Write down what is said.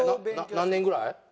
何年ぐらい？